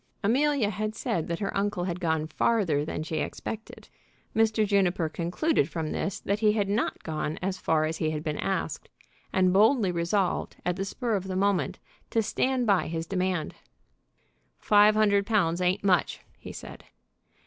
Amelia had said that her uncle had gone farther than she expected. Mr. Juniper concluded from this that he had not gone as far as he had been asked, and boldly resolved, at the spur of the moment, to stand by his demand. "Five hundred pounds ain't much," he said.